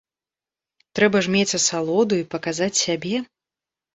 Трэба ж мець асалоду і паказаць сябе.